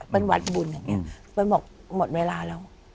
เป็นวัดบุญอย่างนี้เปิ้ลบอกหมดเวลาแล้ว